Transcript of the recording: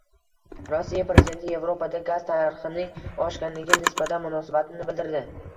Rossiya prezidenti Yevropada gaz narxining oshganiga nisbatan munosabatini bildirdi